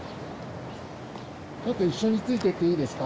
ちょっと一緒についていっていいですか？